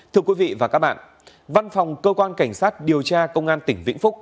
thưa quý vị và các bạn văn phòng cơ quan cảnh sát điều tra công an tỉnh vĩnh phúc